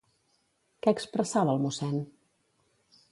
Què expressava el mossèn?